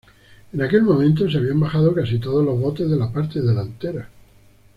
En aquel momento se habían bajado casi todos los botes de la parte delantera.